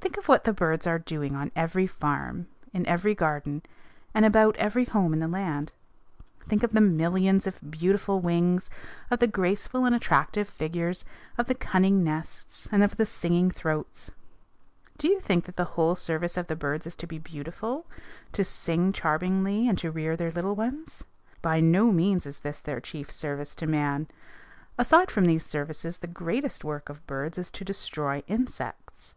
Think of what the birds are doing on every farm, in every garden, and about every home in the land. Think of the millions of beautiful wings, of the graceful and attractive figures, of the cunning nests, and of the singing throats! Do you think that the whole service of the birds is to be beautiful, to sing charmingly, and to rear their little ones? By no means is this their chief service to man. Aside from these services the greatest work of birds is to destroy insects.